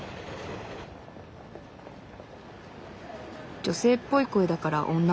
女性っぽい声だから女？